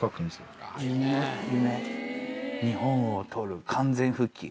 「日本を取る完全復帰」。